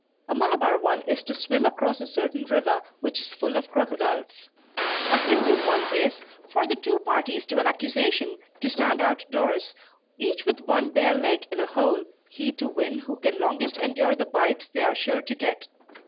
A Malabar one is to swim across a certain river, which is full of crocodiles. A Hindoo one is, for the two parties to an accusation to stand out doors, each with one bare leg in a hole, he to win who can longest endure the bites they are sure to get.